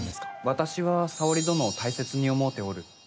私は沙織殿を大切に思うておる。